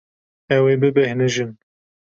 Ew ê bibêhnijin.